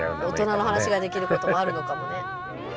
大人の話ができることもあるのかもね。